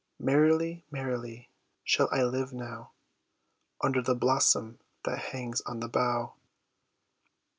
Merrily, merrily, shall I live now, Under the blossom that hangs on the bough.